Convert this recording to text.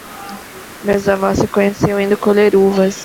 Meus avós se conheciam indo colher uvas.